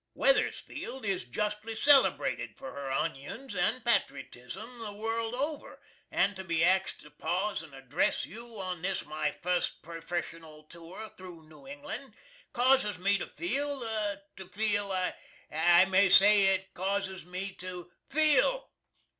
Weathersfield is justly celebrated for her onyins and patritism the world over, and to be axed to paws and address you on this my fust perfeshernal tower threw New Englan, causes me to feel to feel I may say it causes me to FEEL.